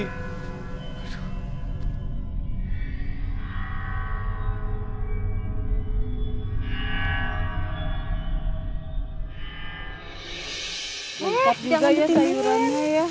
eh jangan dibikinin